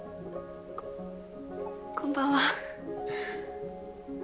こんばんは。